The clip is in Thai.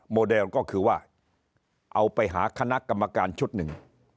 โมเดลก็คือว่าเอาไปหาคณะกรรมการชุดหนึ่ง